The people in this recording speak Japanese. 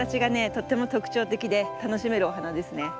とっても特徴的で楽しめるお花ですね。